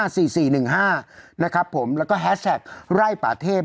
สี่สี่หนึ่งห้านะครับผมแล้วก็แฮสแท็กไร่ป่าเทพ